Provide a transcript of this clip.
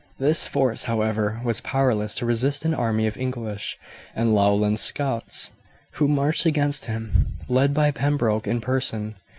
This force, however, was powerless to resist an army of English and Lowland Scots who marched against him, led by Pembroke in person.